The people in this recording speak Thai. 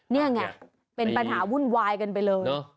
นี่ไงเป็นปัญหาวุ่นวายกันไปเลย